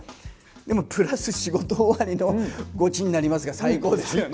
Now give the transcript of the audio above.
でもプラス仕事終わりのごちになりますが最高ですよね。